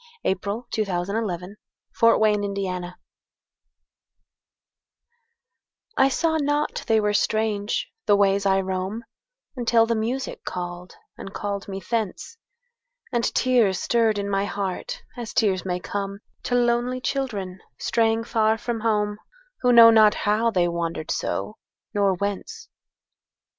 By Josephine PrestonPeabody 1671 After Music I SAW not they were strange, the ways I roam, Until the music called, and called me thence, And tears stirred in my heart as tears may comeTo lonely children straying far from home, Who know not how they wandered so, nor whence.